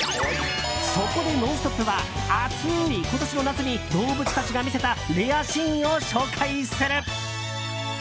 そこで「ノンストップ！」は暑い今年の夏に動物たちが見せたレアシーンを紹介する。